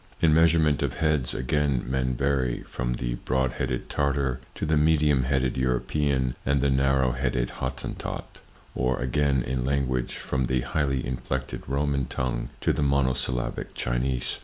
In measurement of heads, again, men vary; from the broad headed Tartar to the medium headed European and the narrow headed Hottentot; or, again in language, from the highly inflected Roman tongue to the monosyllabic Chinese.